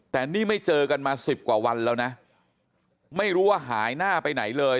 แต่นี่ไม่เจอกันมาสิบกว่าวันแล้วนะไม่รู้ว่าหายหน้าไปไหนเลย